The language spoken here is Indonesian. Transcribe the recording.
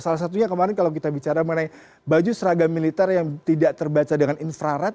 salah satunya kemarin kalau kita bicara mengenai baju seragam militer yang tidak terbaca dengan infrared